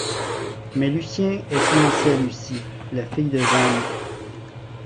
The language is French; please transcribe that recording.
Mais Lucien est fiancé à Lucie, la fille de Jeanne.